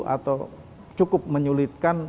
atau cukup menyulitkan